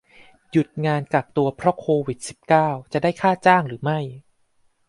หยุดงานกักตัวเพราะโควิด สิบเก้า จะได้ค่าจ้างหรือไม่